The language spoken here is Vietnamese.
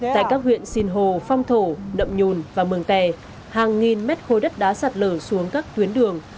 tại các huyện sinh hồ phong thổ đậm nhùn và mường tè hàng nghìn mét khối đất đá sạt lở xuống các tuyến đường